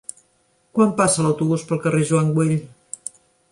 Quan passa l'autobús pel carrer Joan Güell?